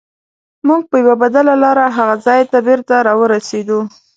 موږ په یوه بدله لار هغه ځای ته بېرته راورسیدلو.